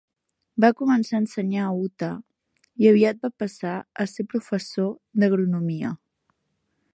Va començar a ensenyar a Utah, i aviat va passar a ser professor d'agronomia.